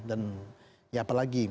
dan ya apalagi